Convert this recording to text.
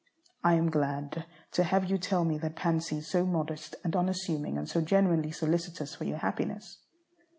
I am glad to have you tell me that Pansy is so modest and unassuming and so genuinely solicitous for your happiness.